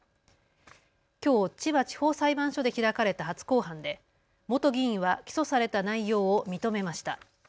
きょう千葉地方裁判所で開かれた初公判で元議員は起訴された内容を認めました。